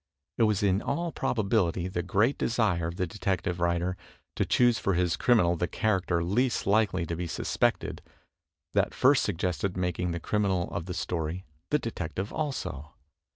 It was in all probability the great desire of the detective writer to choose for his criminal the character least likely to be suspected, that first suggested making the criminal of the story the detective also.